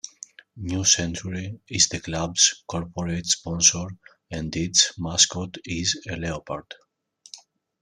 New Century is the club's corporate sponsor and its mascot is a leopard.